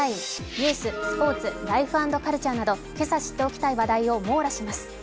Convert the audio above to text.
ニュース、スポーツ、ライフ＆カルチャーなど今朝知っておきたい話題を網羅します。